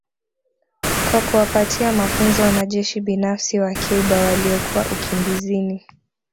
kwa kuwapatia mafunzo wanajeshi binafsi wa Cuba waliokuwa ukimbizini